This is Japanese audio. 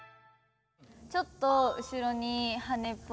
ちょっと後ろに羽根っぽいのつけて。